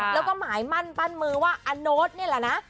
แล้วก็หมายมั่นปั้นมือว่าอโน๊ตนี่แหละนะ